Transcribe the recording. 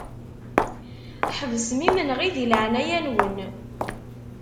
Ḥebsem imenɣi di leɛnaya-nwen.